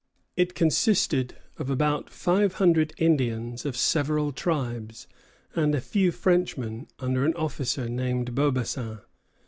It consisted of about five hundred Indians of several tribes, and a few Frenchmen under an officer named Beaubassin.